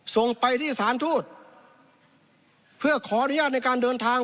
ส่งไปที่สถานทูตเพื่อขออนุญาตในการเดินทาง